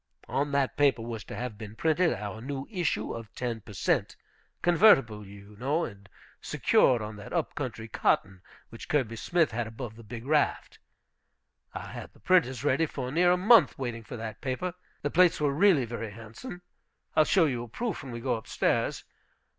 On that paper was to have been printed our new issue of ten per cent., convertible, you know, and secured on that up country cotton, which Kirby Smith had above the Big Raft. I had the printers ready for near a month waiting for that paper. The plates were really very handsome. I'll show you a proof when we go up stairs.